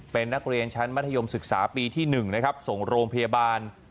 เป็นนักเรียนชั้นมัธยมศึกษาปีที่๑นะครับส่งโรงพยาบาล